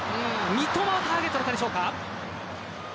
三笘がターゲットだったでしょうか。